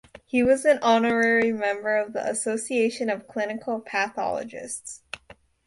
He was an honorary member of the Association of Clinical Pathologists.